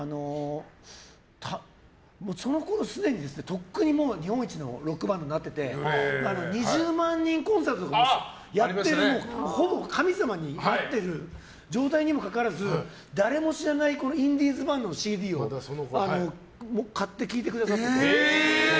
そのころ、とっくに日本一のロックバンドになっていて２０万人コンサートとかやってるほぼ神様になってる状態にもかかわらず誰も知らないこのインディーズバンドのＣＤを買って聴いてくださってて。